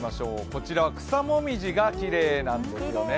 こちら、草紅葉がきれいなんですよね。